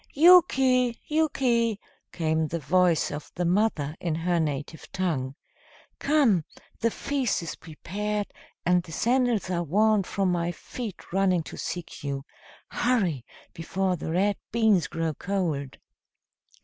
"Yuki, Yuki!" came the voice of the mother in her native tongue. "Come, the feast is prepared, and the sandals are worn from my feet running to seek you. Hurry! before the red beans grow cold."